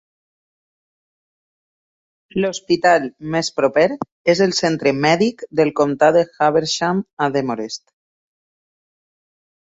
L'hospital més proper és el centre mèdic del comtat de Habersham a Demorest.